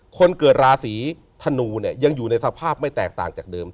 คนเกิดราศีธนูเนี่ยยังอยู่ในสภาพไม่แตกต่างจากเดิม